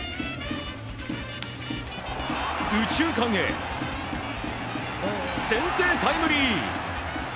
右中間へ先制タイムリー。